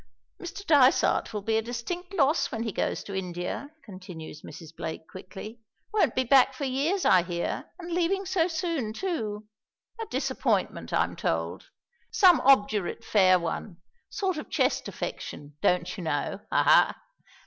"Mr. Dysart will be a distinct loss when he goes to India," continues Mrs. Blake quickly. "Won't be back for years, I hear, and leaving so soon, too. A disappointment, I'm told! Some obdurate fair one! Sort of chest affection, don't you know, ha ha!